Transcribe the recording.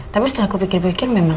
tapi setelah aku pikir pikir memang